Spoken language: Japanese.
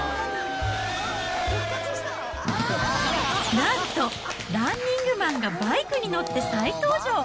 なんと、ランニングマンがバイクに乗って再登場。